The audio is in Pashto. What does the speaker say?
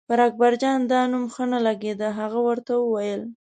پر اکبرجان دا نوم ښه نه لګېده، هغه ورته وویل.